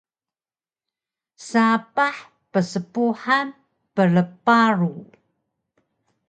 sapah pspuhan prparu